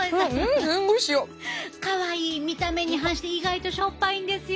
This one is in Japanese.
かわいい見た目に反して意外としょっぱいんですよ